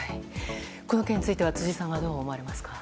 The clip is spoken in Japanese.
この件について辻さんはどう思われますか？